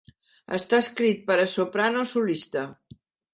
Està escrit per a soprano solista.